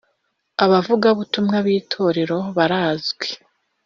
Abavugabutumwa b’ Itorero barazwi.